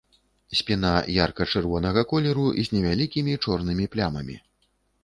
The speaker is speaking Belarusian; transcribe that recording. Спіна ярка-чырвонага колеру з невялікімі чорнымі плямамі.